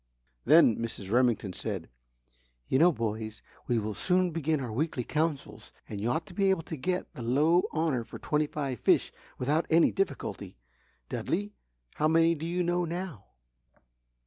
Then Mrs. Remington said, "You know, boys, we will soon begin our weekly Councils and you ought to be able to get the low Honour for twenty five fish without any difficulty. Dudley, how many do you know now?"